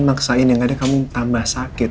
maksain yang ada kamu tambah sakit